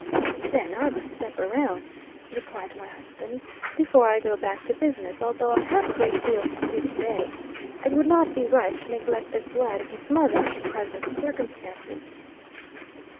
"Then I must step around," replied my husband, "before I go back to business, although I have a great deal to do to day. It would not be right to neglect this lad and his mother under present circumstances."